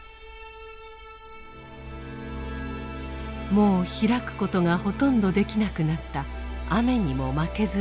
もう開くことがほとんどできなくなった「雨ニモマケズ」